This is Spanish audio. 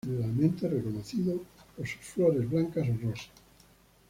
Generalmente es reconocido por sus flores blancas o rosas.